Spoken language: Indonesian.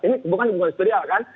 ini bukan bukan istudial kan